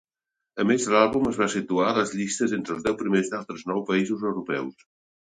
A més, l'àlbum es va situar a les llistes entre els deus primers d'altres nou països europeus.